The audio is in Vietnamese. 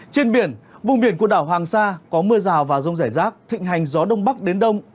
trên biển vùng biển của đảo hoàng sa có mưa rào và rông rải rác thịnh hành gió đông bắc đến đông